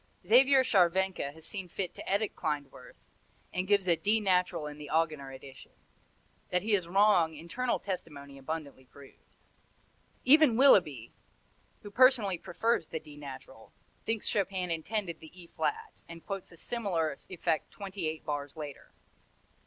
Xaver Scharwenka has seen fit to edit Klindworth, and gives a D natural in the Augener edition. That he is wrong internal testimony abundantly proves. Even Willeby, who personally prefers the D natural, thinks Chopin intended the E flat, and quotes a similar effect twenty eight bars later.